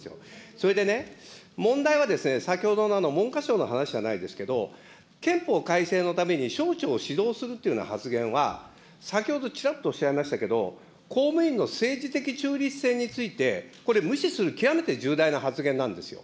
それでね、問題は、先ほどの文科省の話じゃないですけれども、憲法改正のために省庁を指導するというような発言は、先ほどちらっとおっしゃいましたけれども、公務員の政治的中立性についてこれ、無視する極めて重大な発言なんですよ。